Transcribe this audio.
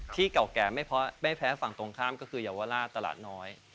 เก่าแก่ไม่แพ้ฝั่งตรงข้ามก็คือเยาวราชตลาดน้อย